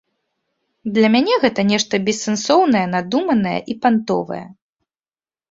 Для мяне гэта нешта бессэнсоўнае, надуманае і пантовае.